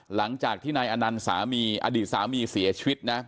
หลังจากที่นายอดีตสามีเสียชีวิตนะ